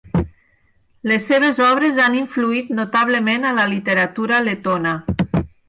Les seves obres han influït notablement a la literatura letona.